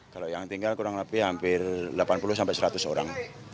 kalau yang tinggal kurang lebih hampir delapan puluh sampai seratus orang